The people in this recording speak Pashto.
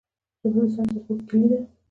ژبه د ساینس او پوهې کیلي ده.